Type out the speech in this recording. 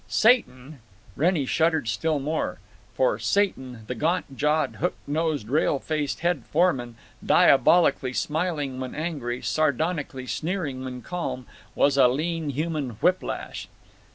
Satan! Wrennie shuddered still more. For Satan, the gaunt jawed hook nosed rail faced head foreman, diabolically smiling when angry, sardonically sneering when calm, was a lean human whip lash.